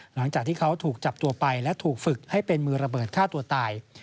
หลังจากที่เขาถูกจับตัวไปและถูกฝึกให้เป็นมือระเบิดฆ่าตัวตาย